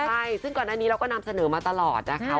ใช่ซึ่งก่อนหน้านี้เราก็นำเสนอมาตลอดนะคะ